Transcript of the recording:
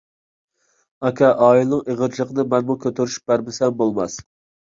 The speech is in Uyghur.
— ئاكا، ئائىلىنىڭ ئېغىرچىلىقىنى مەنمۇ كۆتۈرۈشۈپ بەرمىسەم بولماس.